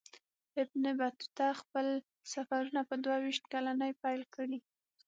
ابن بطوطه خپل سفرونه په دوه ویشت کلنۍ پیل کړي.